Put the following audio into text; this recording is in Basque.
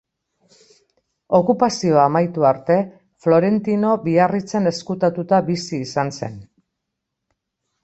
Okupazioa amaitu arte Florentino Biarritzen ezkutatuta bizi izan zen.